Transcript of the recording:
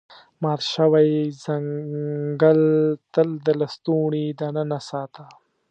مات شوی څنګل تل د لستوڼي دننه ساته.